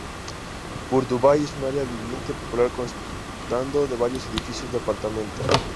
Bur Dubai es una área viviente popular constando de varios edificios de apartamento.